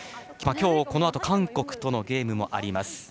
今日、このあと韓国とのゲームもあります。